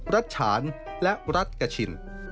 รัฐฉานและรัฐกะชิน